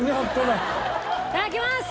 いただきます！